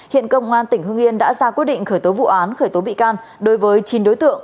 hiện công an tỉnh hương yên đã ra quyết định khởi tố vụ án khởi tố bị can đối với chín đối tượng